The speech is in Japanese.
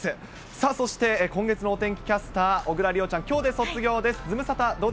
さあ、そして今月のお天気キャスター、小椋梨央ちゃん、きょうで卒業です。